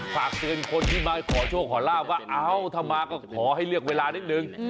ฝากเตือนคนที่มาขอโชคขอลาบว่าเอ้าถ้ามาก็ขอให้เลือกเวลานิดนึง